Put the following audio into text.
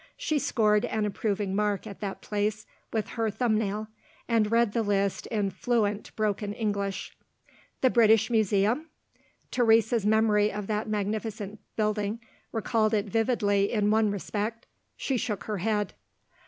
She scored an approving mark at that place with her thumbnail and read the list in fluent broken English. The British Museum? Teresa's memory of that magnificent building recalled it vividly in one respect. She shook her head.